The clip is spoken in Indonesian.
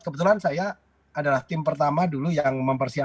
kebetulan saya adalah tim pertama dulu yang mempersiapkan